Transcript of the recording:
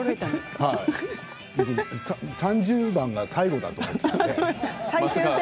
３０番が最後だと思って。